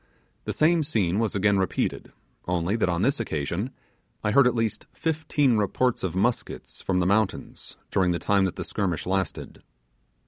The same scene was again repeated, only that on this occasion I heard at least fifteen reports of muskets from the mountains during the time that the skirmish lasted.